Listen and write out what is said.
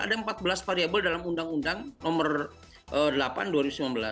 ada empat belas variable dalam undang undang nomor delapan dua ribu sembilan belas